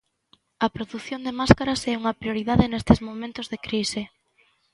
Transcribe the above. A produción de máscaras é unha prioridade nestes momentos de crise.